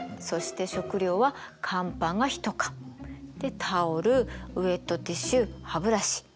そして食料は乾パンが１缶。でタオルウエットティッシュ歯ブラシ。